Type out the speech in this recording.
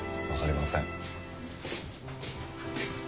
分かりません。